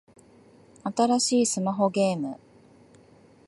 新しいスマホゲーム